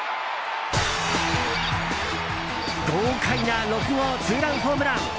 豪快な６号ツーランホームラン。